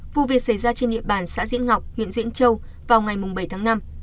vụ việc xảy ra trên địa bàn xã diễn ngọc huyện diễn châu vào ngày bảy tháng năm